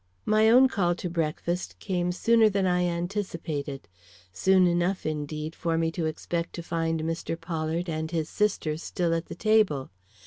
My own call to breakfast came sooner than I anticipated; soon enough, indeed, for me to expect to find Mr. Pollard and his sister still at the table.